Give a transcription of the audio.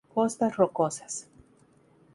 Costas rocosas.